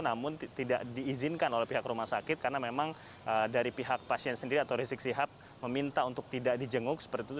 namun tidak diizinkan oleh pihak rumah sakit karena memang dari pihak pasien sendiri atau rizik sihab meminta untuk tidak dijenguk seperti itu